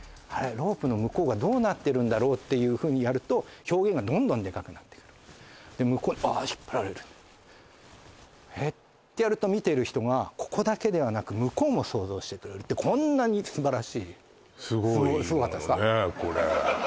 ロープの向こうがどうなってるんだろうっていうふうにやると表現がどんどんデカくなってくるで向こうにああ引っ張られるえっ？ってやると見てる人がここだけではなく向こうも想像してくれるこんなに素晴らしいすごい今のねこれすごかったですか？